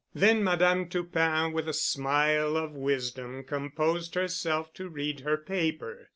Then Madame Toupin with a smile of wisdom composed herself to read her paper.